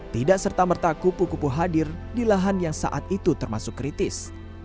tidak serta merta kupu kupu hadir di lahan yang saat itu termasuk kritis